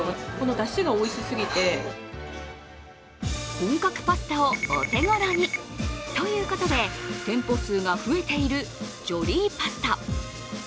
本格パスタをお手頃にということで、店舗数が増えているジョリーパスタ。